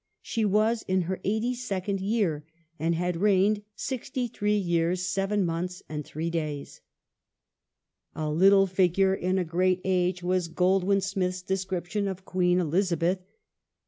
She was in her eighty second year, and had reigned sixty three years seven months and three days. The close " A little figure in a great age," was Goldwin Smith's descrip of a reign ^j^jjj of Queen Elizabeth.